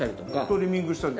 トリミングしたり。